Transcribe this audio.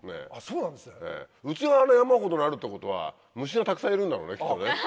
うちが山ほどなるってことは虫がたくさんいるんだろうねきっとね。